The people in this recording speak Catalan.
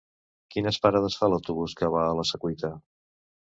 Quines parades fa l'autobús que va a la Secuita?